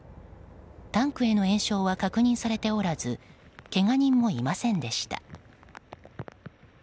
タンクへの延焼は確認されておらずけが人もいませんでした。